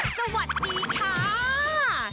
สวัสดีค่ะ